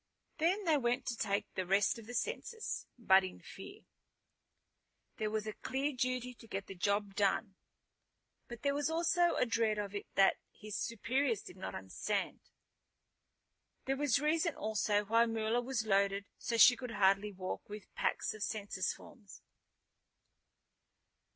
Then they went to take the rest of the census, but in fear. There was a clear duty to get the job done, but there was also a dread of it that his superiors did not understand. There was reason also why Mula was loaded so she could hardly walk with packs of census forms.